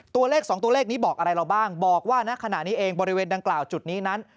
ตัวเลข๒ตัวเลขนี้บอกอะไรเราบ้างบอกว่าณขณะนี้เองบริเวณดังกล่าวจุดนี้นั้น